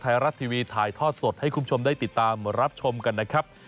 ไทยรัฐทีวีถ่ายทอดสดให้คุณผู้ชมได้ติดตามรับชมกันนะครับ